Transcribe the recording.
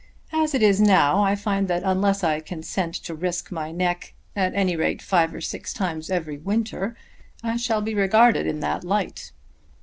As it is now I find that unless I consent to risk my neck at any rate five or six times every winter, I shall be regarded in that light."